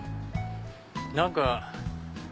何か。